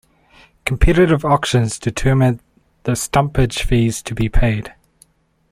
Competitive auctions determine the stumpage fees to be paid.